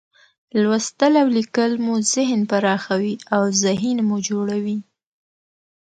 لوستل او لیکل مو ذهن پراخوي، اوذهین مو جوړوي.